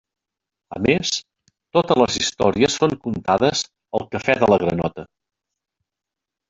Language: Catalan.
A més, totes les històries són contades al cafè de la granota.